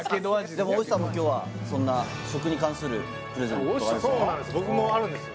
大下さんも今日はそんな食に関するプレゼントそうなんです